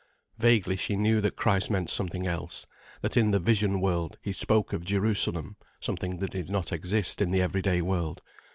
Vaguely she knew that Christ meant something else: that in the vision world He spoke of Jerusalem, something that did not exist in the everyday world.